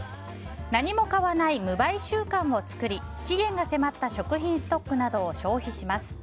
何も買わない無買週間を作り期限が迫った食品ストックなどを消費します。